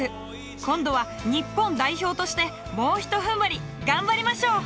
今度は日本代表としてもうひとふんばり頑張りましょう！